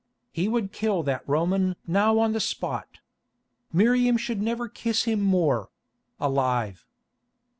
He would kill that Roman now on the spot. Miriam should never kiss him more—alive.